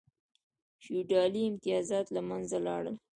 فیوډالي امتیازات له منځه لاړل.